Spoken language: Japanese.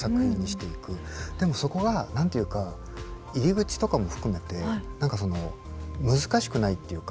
でもそこが何て言うか入り口とかも含めて何かその難しくないっていうか。